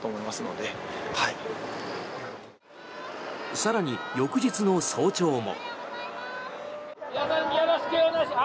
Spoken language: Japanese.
更に、翌日の早朝も。